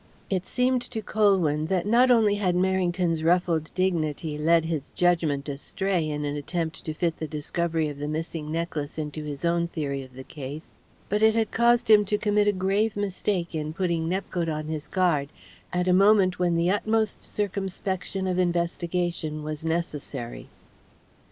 It seemed to Colwyn that not only had Merrington's ruffled dignity led his judgment astray in an attempt to fit the discovery of the missing necklace into his own theory of the case, but it had caused him to commit a grave mistake in putting Nepcote on his guard at a moment when the utmost circumspection of investigation was necessary.